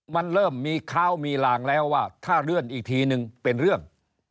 มันเริ่มมีข้าวมีลางแล้วว่าถ้าเลื่อนอีกทีนึงเป็นเรื่อง